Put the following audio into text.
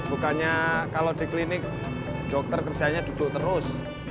bukannya kalau di klinik dokter kerjanya duduk terus